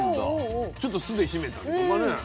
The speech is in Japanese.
ちょっと酢で締めたりとかね。